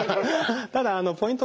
ただあのポイント